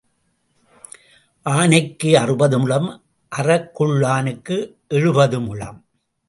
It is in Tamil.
ஆனைக்கு அறுபது முழம், அறக்குள்ளனுக்கு எழுபது முழம்.